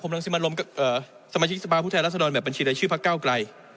ผมรังสิมรมเอ่อสมาชิกสปาพุทธแหลศดรแบบบัญชีในชื่อพระเก้าไกร